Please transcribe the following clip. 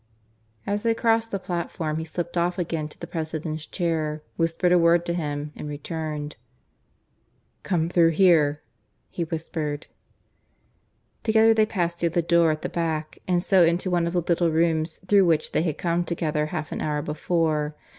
As they crossed the platform he slipped off again to the President's chair, whispered a word to him, and returned. "Come through here," he whispered. Together they passed through the door at the back, and so into one of the little rooms through which they had come together half an hour before.